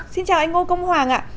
xin chào anh ngô công hoàng ạ